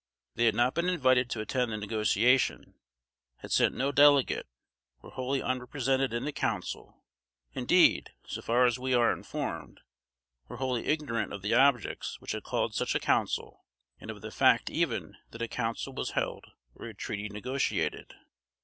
They had not been invited to attend the negotiation, had sent no delegate, were wholly unrepresented in the Council; indeed, so far as we are informed, were wholly ignorant of the objects which had called such a council, and of the fact even that a council was held, or a treaty negotiated.